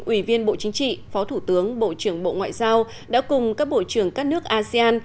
ủy viên bộ chính trị phó thủ tướng bộ trưởng bộ ngoại giao đã cùng các bộ trưởng các nước asean